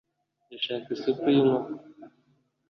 ndashaka isupu y'inkoko